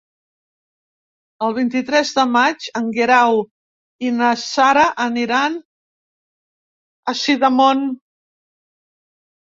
El vint-i-tres de maig en Guerau i na Sara aniran a Sidamon.